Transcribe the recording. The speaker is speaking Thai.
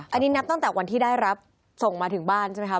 อันนี้นับตั้งแต่วันที่ได้รับส่งมาถึงบ้านใช่ไหมคะ